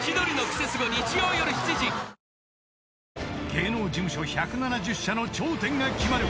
［芸能事務所１７０社の頂点が決まる］